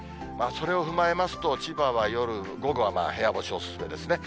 それを踏まえますと、千葉は夜、午後は部屋干しお勧めですね。